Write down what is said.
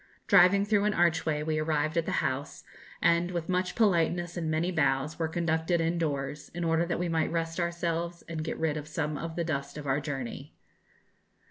Driving through an archway we arrived at the house, and, with much politeness and many bows, were conducted indoors, in order that we might rest ourselves and get rid of some of the dust of our journey.